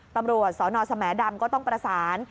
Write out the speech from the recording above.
ตำรวจสนสแหมดำก็ต้องประสาน